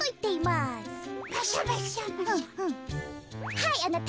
はいあなた。